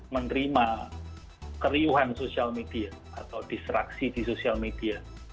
menerima keriuhan sosial media atau distraksi di sosial media